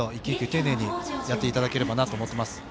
丁寧にやっていただければなと思っています。